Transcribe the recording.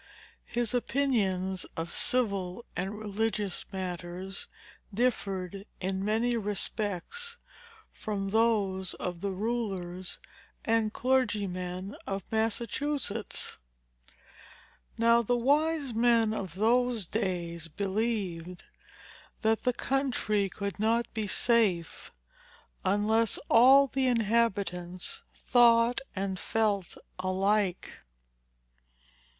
His opinions of civil and religious matters differed, in many respects, from those of the rulers and clergymen of Massachusetts. Now the wise men of those days believed, that the country could not be safe, unless all the inhabitants thought and felt alike."